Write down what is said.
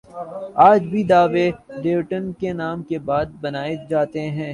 آج بھی دیوی دیوتاؤں کے نام کے بت بنا ئے جاتے ہیں